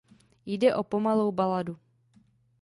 Jde o pomalou baladu.